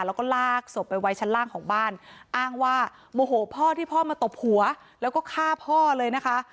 แล้วก็ลากศพไปไว้ชั้นล่างของบ้านอ้างว่าโมโหพ่อที่พ่อมาตบหัวแล้วก็ฆ่าพ่อเลยนะคะ